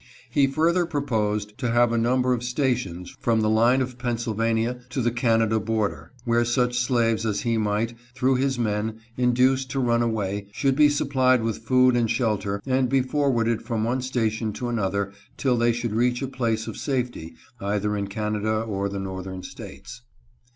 He further proposed to have a number of stations from the line of Pennsyl (383) 384 WHAT HE KNEW OF BROWN'S PLANS. vania to the Canada border, where such slaves as he might, through his men, induce to run away, should be supplied with food and shelter and be forwarded from one station to another till they should reach a place of safety either in Canada or the Northern States.